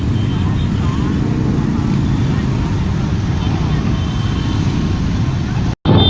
สวัสดีครับทุกคน